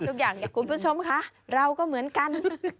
ทุกอย่างเนี่ยคุณผู้ชมคะเราก็เหมือนกัน